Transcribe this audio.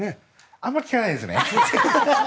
あまり聞かないですね。